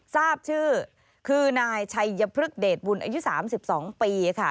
ทราบชื่อคือนายชัยพฤกษเดชบุญอายุ๓๒ปีค่ะ